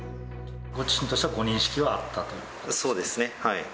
ご自身としてはご認識はあっそうですね。